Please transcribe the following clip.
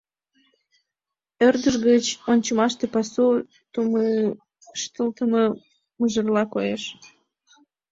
Ӧрдыж гыч ончымаште пасу тумыштылмо мыжерла коеш.